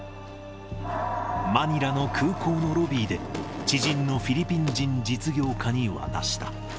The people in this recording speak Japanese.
マニラの空港のロビーで、知人のフィリピン人実業家に渡した。